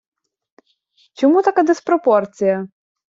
Чому така диспропорція?